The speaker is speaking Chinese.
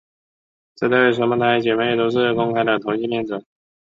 这对双胞胎姐妹都是公开的同性恋者。